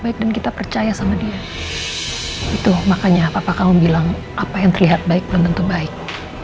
itu makanya apa apa kamu bilang apa yang terlihat baik menentu baik